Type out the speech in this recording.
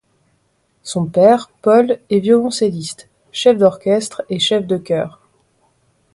Son père, Paul, est violoncelliste, chef d'orchestre et chef de chœur.